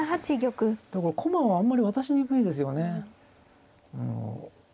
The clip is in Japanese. だから駒をあんまり渡しにくいですよね。